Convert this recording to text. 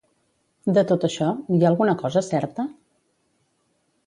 De tot això, hi ha alguna cosa certa?